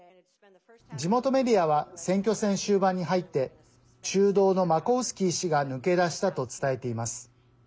地元メディアは選挙戦終盤に入って中道のマコウスキー氏が抜け出したと伝えています。